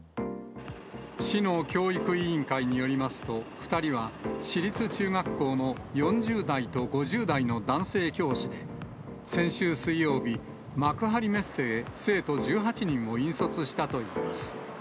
市の教育委員会によりますと、２人は市立中学校の４０代と５０代の男性教師で、先週水曜日、幕張メッセへ生徒１８人を引率したといいます。